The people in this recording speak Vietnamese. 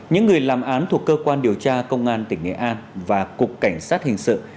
những người làm án thuộc cơ quan điều tra công an tỉnh nghệ an và cục cảnh sát hình sự